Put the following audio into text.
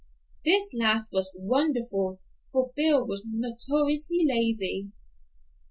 This last was wonderful, for Bill was notoriously lazy.